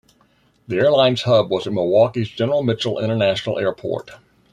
The airline's hub was at Milwaukee's General Mitchell International Airport.